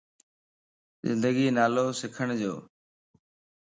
زندگي نالو سکڻ جو